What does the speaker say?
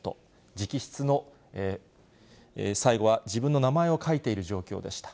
直筆の、最後は自分の名前を書いている状況でした。